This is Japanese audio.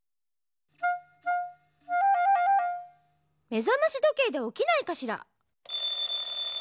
目覚まし時計でおきないかしら？